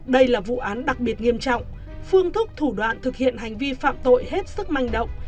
đây là vụ án đặc biệt nghiêm trọng phương thức thủ đoạn thực hiện hành vi phạm tội hết sức manh động